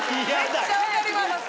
めっちゃ分かります。